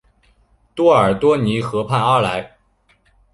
多尔多尼河畔阿莱。